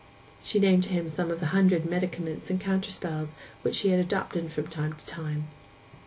She named to him some of the hundred medicaments and counterspells which she had adopted from time to time.